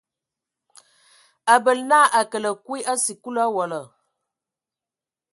A bələ na a kələ kui a sikulu owola.